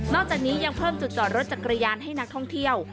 จากนี้ยังเพิ่มจุดจอดรถจักรยานให้นักท่องเที่ยว